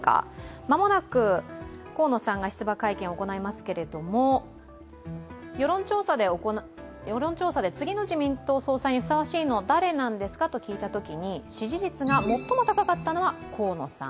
間もなく河野さんが出馬会見を行いますけれども世論調査で次の自民党総裁にふさわしいのは誰なんですかと聞いたときに支持率が最も高かったのは河野さん。